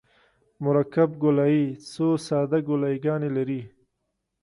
مرکب ګولایي څو ساده ګولایي ګانې لري